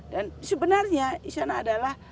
sebenarnya di sana adalah